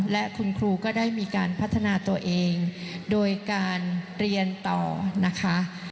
และคุณครูก็ได้มีการพัฒนาตัวเองโดยการเรียนต่อนะคะ